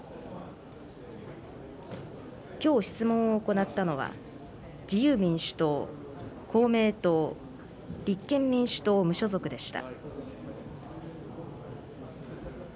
きょう質問を行ったのは、自由民主党、公明党、立憲民主党・無所属でした。